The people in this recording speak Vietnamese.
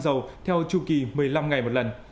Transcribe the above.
dầu theo chu kỳ một mươi năm ngày một lần